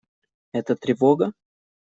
Это тревога?